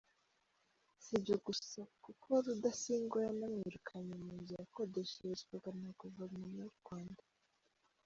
Si ibyo gusa kuko Rudasingwa yanamwirukanye mu nzu yakodesherezwaga na guverinoma y’u Rwanda.